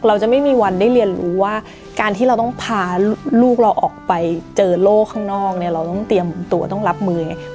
เราจะไม่มีวันได้เรียนรู้ว่าการที่เราต้องพาลูกเราออกไปเจอโลกข้างนอกเนี่ยเราต้องเตรียมตัวต้องรับมืออย่างนี้